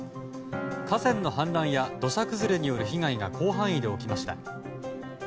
河川の氾濫や土砂崩れによる被害が広範囲で起きました。